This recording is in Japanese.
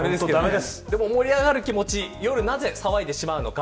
でも、盛り上がる気持ち夜、なぜ騒ぎたくなるのか。